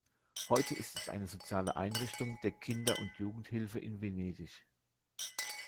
Heute ist es eine soziale Einrichtung der Kinder- und Jugendhilfe in Venedig.